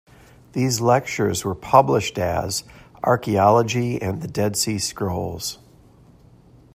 These lectures were published as "Archaeology and the Dead Sea Scrolls".